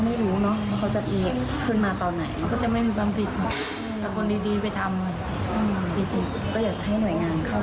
เพราะว่าตรงนี้มันคือพื้นที่ที่เด็กอยากเยิน